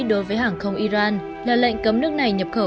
đối với hàng không iran là lệnh cấm nước này nhập khẩu